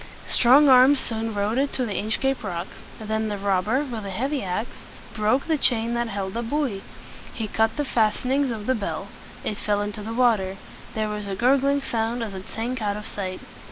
Strong arms soon rowed it to the Inchcape Rock. Then the robber, with a heavy ax, broke the chain that held the buoy. He cut the fas ten ings of the bell. It fell into the water. There was a gur gling sound as it sank out of sight.